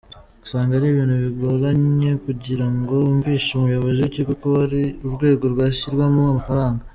Usanga ari ibintu bigoranye kugirango wumvishe umuyobozi w’ikigo ko ari urwego rwashyirwamo amafaranga.